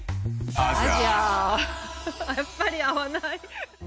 やっぱり合わない。